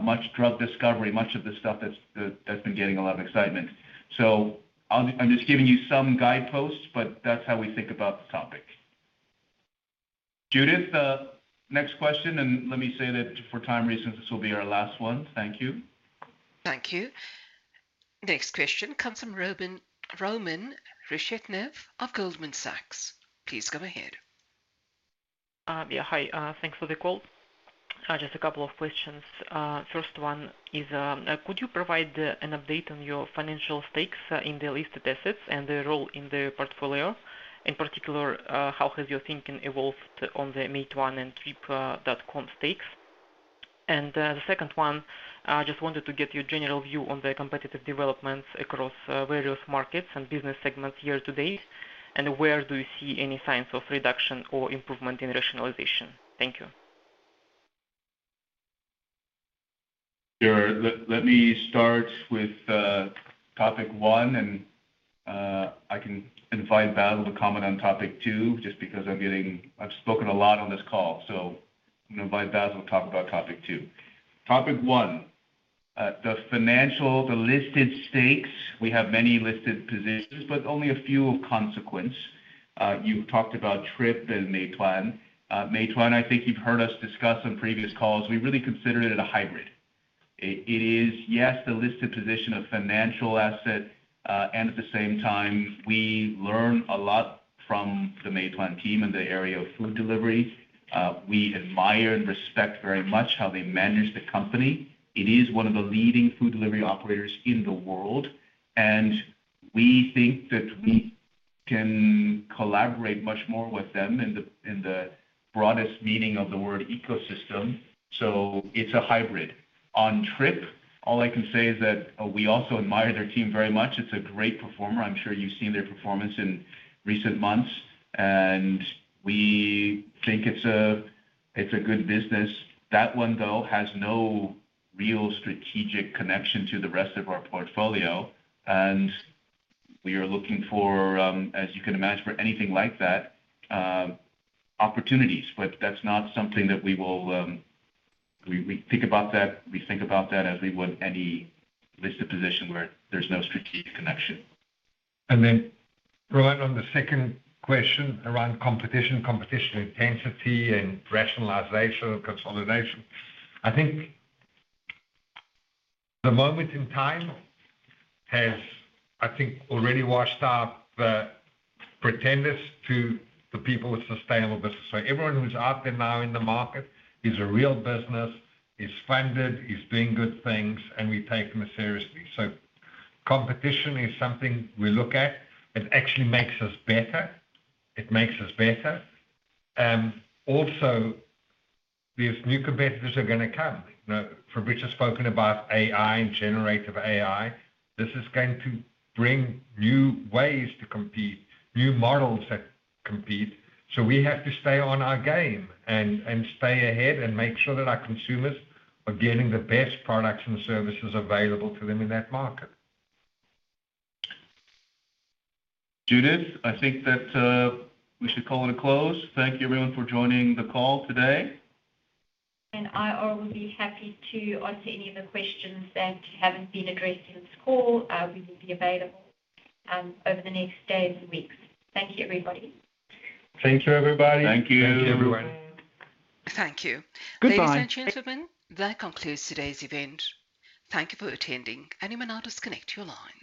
much drug discovery, much of the stuff that's been getting a lot of excitement. So I'm just giving you some guideposts, but that's how we think about the topic. Judith, next question, and let me say that for time reasons, this will be our last one. Thank you. Thank you. Next question comes from Roman Reshetnev of Goldman Sachs. Please go ahead. Yeah, hi. Thanks for the call. Just a couple of questions. First one is, could you provide an update on your financial stakes in the listed assets and their role in the portfolio? In particular, how has your thinking evolved on the Meituan and Trip.com stakes? And, the second one, I just wanted to get your general view on the competitive developments across various markets and business segments year-to-date, and where do you see any signs of reduction or improvement in rationalization? Thank you. Sure. Let me start with topic one, and I can invite Basil to comment on topic two, just because I'm getting. I've spoken a lot on this call, so I'm gonna invite Basil to talk about topic two. Topic one, the financial, the listed stakes, we have many listed positions, but only a few of consequence. You talked about Trip and Meituan. Meituan, I think you've heard us discuss on previous calls. We really consider it a hybrid. It is, yes, the listed position of financial asset, and at the same time, we learn a lot from the Meituan team in the area of food delivery. We admire and respect very much how they manage the company. It is one of the leading food delivery operators in the world, and we think that we can collaborate much more with them in the, in the broadest meaning of the word ecosystem. So it's a hybrid. On Trip, all I can say is that, we also admire their team very much. It's a great performer. I'm sure you've seen their performance in recent months, and we think it's a, it's a good business. That one, though, has no real strategic connection to the rest of our portfolio, and we are looking for, as you can imagine, for anything like that, opportunities. But that's not something that we will. We, we think about that. We think about that as we would any listed position where there's no strategic connection. Then, Roman, on the second question, around competition, competition intensity and rationalization or consolidation. I think the moment in time has, I think, already washed out the pretenders to the people with sustainable business. So everyone who's out there now in the market is a real business, is funded, is doing good things, and we take them seriously. So competition is something we look at. It actually makes us better. It makes us better. Also, these new competitors are gonna come. You know, Fabricio has spoken about AI and generative AI. This is going to bring new ways to compete, new models that compete. So we have to stay on our game and, and stay ahead and make sure that our consumers are getting the best products and services available to them in that market. Judith, I think that, we should call it a close. Thank you, everyone, for joining the call today. I will be happy to answer any of the questions that haven't been addressed in this call. We will be available over the next days and weeks. Thank you, everybody. Thank you, everybody. Thank you. Thank you, everyone. Thank you. Goodbye. Ladies and gentlemen, that concludes today's event. Thank you for attending. You may now disconnect your lines.